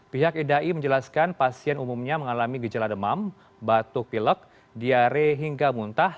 pihak idai menjelaskan pasien umumnya mengalami gejala demam batuk pilek diare hingga muntah